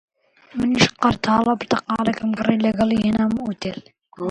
منیش قەرتاڵە پرتەقاڵێکم کڕی، لەگەڵی هێنامەوە ئوتێل